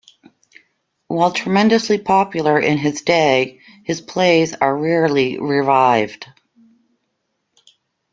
While tremendously popular in his day, his plays are rarely revived.